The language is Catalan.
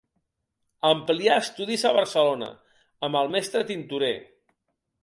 Amplià estudis a Barcelona amb el mestre Tintorer.